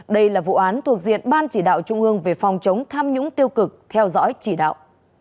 đây là vụ án thuộc diện ban chỉ đạo trung ương về phòng chống tham nhũng tiêu cực theo dõi chỉ đạo